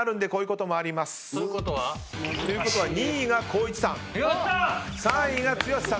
ということは２位が光一さん。